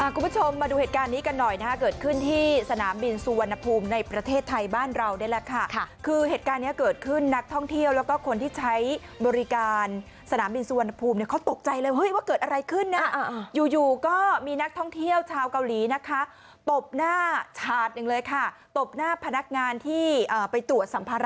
คุณผู้ชมมาดูเหตุการณ์นี้กันหน่อยนะฮะเกิดขึ้นที่สนามบินสุวรรณภูมิในประเทศไทยบ้านเรานี่แหละค่ะคือเหตุการณ์เนี้ยเกิดขึ้นนักท่องเที่ยวแล้วก็คนที่ใช้บริการสนามบินสุวรรณภูมิเนี่ยเขาตกใจเลยเฮ้ยว่าเกิดอะไรขึ้นนะอยู่อยู่ก็มีนักท่องเที่ยวชาวเกาหลีนะคะตบหน้าฉาดหนึ่งเลยค่ะตบหน้าพนักงานที่ไปตรวจสัมภาระ